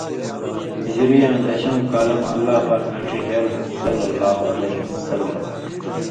ہجری یاں دشؤں کالہ مہ اللہ پاکاں ڇِہېلوۡ ﷺ